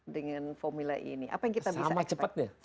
dengan formula e ini apa yang kita bisa expect